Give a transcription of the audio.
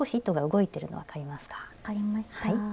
分かりました。